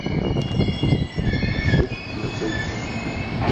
Аԥсы ухҭнаҵеит.